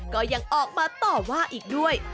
ก็ยังออกมาต่อว่าอีกด้วย